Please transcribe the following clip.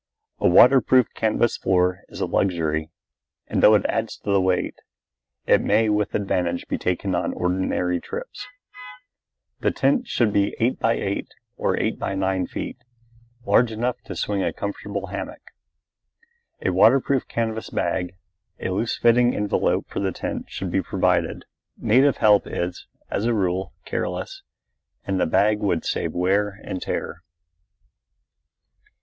A waterproof canvas floor is a luxury, and, though it adds to the weight, it may with advantage be taken on ordinary trips. The tent should be eight by eight or eight by nine feet, large enough to swing a comfortable hammock. A waterproof canvas bag, a loose fitting envelope for the tent should be provided. Native help is, as a rule, careless, and the bag would save wear and tear.